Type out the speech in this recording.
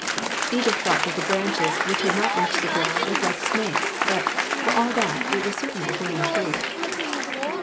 Edith thought that the branches which had not reached the ground looked like snakes, but, for all that, it was certainly a grand tree.